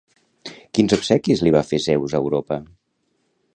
Quins obsequis li va fer Zeus a Europa?